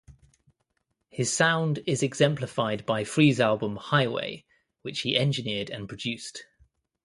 His sound is exemplified by Free's album "Highway", which he engineered and produced.